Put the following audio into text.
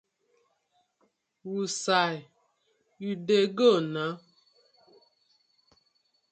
Wusai yu dey go na?